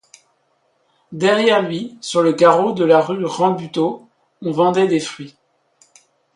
Derrière lui, sur le carreau de la rue Rambuteau, on vendait des fruits.